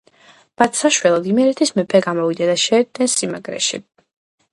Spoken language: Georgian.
მათ საშველად იმერეთის მეფე გამოვიდა და შეერთდნენ სიმაგრეში.